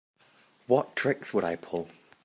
What tricks would I pull?